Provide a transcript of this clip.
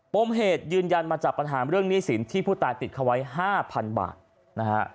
มเหตุยืนยันมาจากปัญหาเรื่องหนี้สินที่ผู้ตายติดเขาไว้๕๐๐๐บาทนะฮะ